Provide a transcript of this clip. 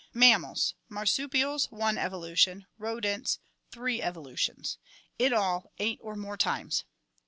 Mammals. Marsupials, one evolution. Rodents, three evolutions.2 In all, eight or more times.